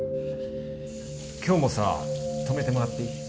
今日もさ泊めてもらっていい？